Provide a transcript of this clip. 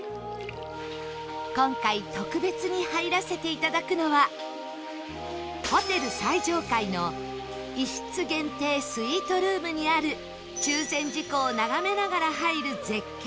今回特別に入らせていただくのはホテル最上階の１室限定スイートルームにある中禅寺湖を眺めながら入る絶景風呂